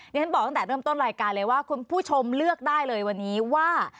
ฉันบอกตั้งแต่เริ่มต้นรายการเลยว่าคุณผู้ชมเลือกได้เลยวันนี้ว่า